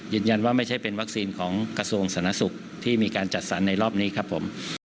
ไม่ใช่เป็นวัคซีนของกระทรวงสาธารณสุขที่มีการจัดสรรในรอบนี้ครับผม